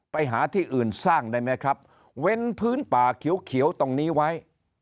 ไปหาที่อื่นสร้างได้ไหมครับเว้นพื้นป่าเขียวตรงนี้ไว้